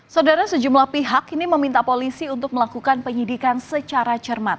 saudara sejumlah pihak ini meminta polisi untuk melakukan penyidikan secara cermat